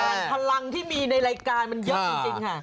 แต่พลังที่มีในรายการมันเยอะจริงค่ะ